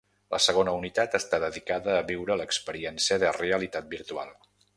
La segona unitat està dedicada a viure l’experiència de realitat virtual.